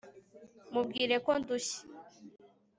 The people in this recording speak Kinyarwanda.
mubwire ko ndushye